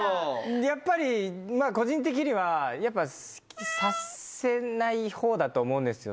やっぱり個人的には察せないほうだと思うんですよ